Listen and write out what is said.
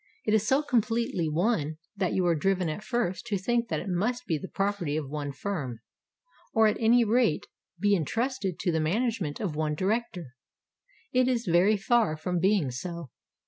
It is so completely one that you are driven at first to think that it must be the prop erty of one firm, — or at any rate be entrusted to the management of one director. It is very far from being so.